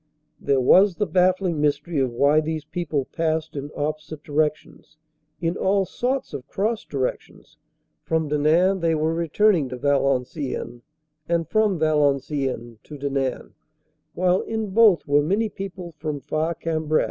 There was the baffling mystery of why these people passed in opposite directions in all sorts of cross directions. From 374 CANADA S HUNDRED DAYS Denain they were returning to Valenciennes and from Valen ciennes to Denain, while in both were many people from far Cambrai.